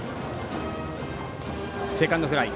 セカンドフライ。